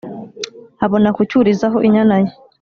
abona kucyurizaho inyana ye.